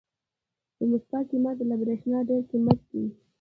د موسکا قیمت له برېښنا ډېر کم دی.